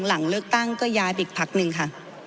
หลังเลือกตั้งก็ย้ายไปอีกพักหนึ่งค่ะ